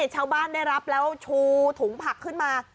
ชาวบ้านได้รับแล้วชูถุงผักขึ้นมา